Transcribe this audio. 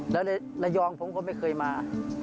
แล้วระยองผมก็ไม่เคยมา